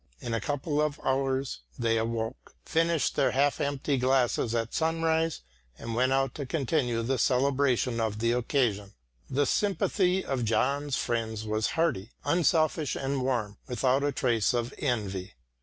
In a couple of hours they awoke, finished their half empty glasses at sunrise and went out to continue the celebration of the occasion. The sympathy of John's friends was hearty, unselfish and warm, without a trace of envy.